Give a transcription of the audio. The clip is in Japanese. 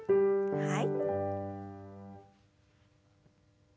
はい。